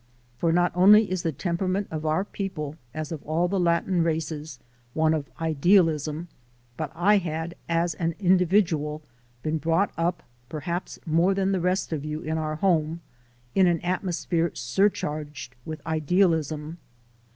For not only is the temperament of our people, as of all the Latin races, one of idealism, but I had, as an individual, been brought up, perhaps more than the rest of you in our home, in an atmosphere sur charged with idealism.